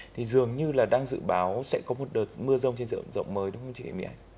thì dường như là đang dự báo sẽ có một đợt mưa rông trên diện rộng mới đúng không chị hãy my anh